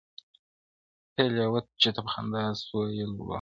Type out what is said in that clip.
پیل لېوه ته په خندا سو ویل وروره-